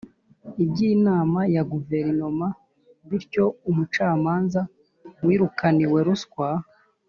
iby’inama ya Guverinoma, bityo umucamanza wirukaniwe ruswa